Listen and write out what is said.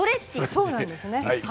そうなんですね。